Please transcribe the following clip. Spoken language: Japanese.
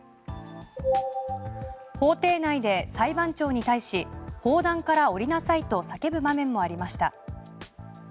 法廷内で裁判長に対し法壇から降りなさいと叫ぶ場面もありました。